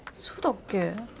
そうだっけ？